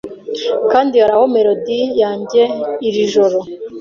Kandi haraho melody yanjye iri joro ...